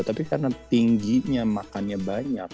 tapi karena tingginya makannya banyak